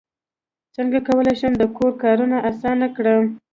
څنګه کولی شم د کور کارونه اسانه کړم